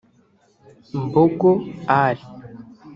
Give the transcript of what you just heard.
Mbogo Ali